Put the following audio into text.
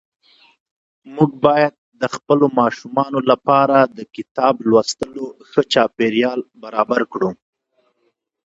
موږ بايد د خپلو ماشومانو لپاره د کتاب لوستلو ښه چاپېريال برابر کړو ..